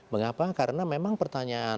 mengapa karena memang pertanyaan